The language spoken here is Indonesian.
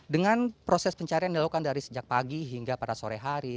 dengan proses pencarian dilakukan dari sejak pagi hingga pada sore hari